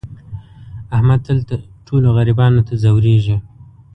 احمد تل ټولو غریبانو ته ځورېږي.